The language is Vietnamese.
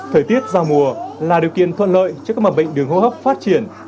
thời tiết ra mùa là điều kiện thuận lợi cho các bệnh đường hô hấp phát triển